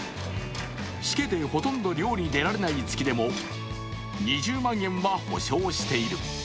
しけでほとんど漁に出られない月でも２０万円は保証している。